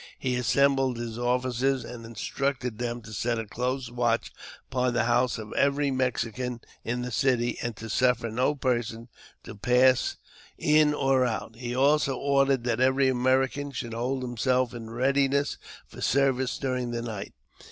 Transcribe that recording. He assembled his officers, and instructed them to set a close watch upon the house of every Mexican in the city, and to suffer no person to pass in or out ; he also ordered that every American should hold himself in readiness for service during the night.